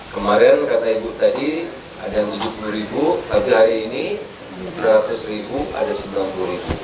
kemarin kata ibu tadi ada yang rp tujuh puluh tapi hari ini rp seratus ada rp sembilan puluh